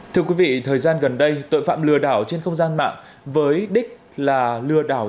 thưa quý vị thời gian gần đây tội phạm lừa đảo trên không gian mạng với đích là lừa đảo